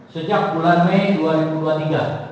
sejak bulan mei dua ribu dua puluh tiga